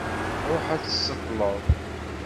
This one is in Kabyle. Ṛuḥ ad d-tseṭṭleḍ.